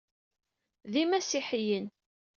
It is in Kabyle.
D imasiḥiyen.